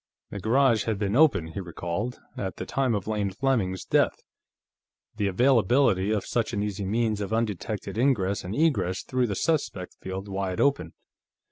The garage had been open, he recalled, at the time of Lane Fleming's death. The availability of such an easy means of undetected ingress and egress threw the suspect field wide open.